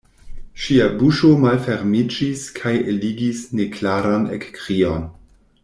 Ŝia buŝo malfermiĝis kaj eligis neklaran ekkrion.